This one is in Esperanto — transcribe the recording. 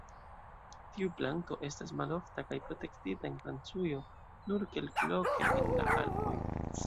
Tiu planto estas malofta kaj protektita en Francujo, nur kelkloke en la Alpoj.